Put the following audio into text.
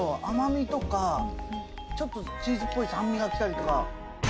甘みとかちょっとチーズっぽい酸味がきたりとか。